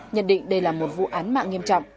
nhận định đây là một vụ án mạng nghiêm trọng